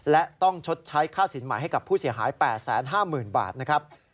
และต้องชดใช้ค่าสินใหม่ให้กับผู้เสียหาย๘๕๐๐๐บาทนะครับ